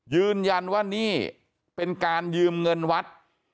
ยืนยันว่านี่เป็นการยืมเงินวัด